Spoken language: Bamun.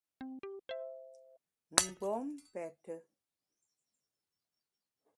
Mgbom pète.